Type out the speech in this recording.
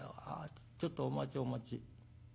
ちょっとお待ちお待ち。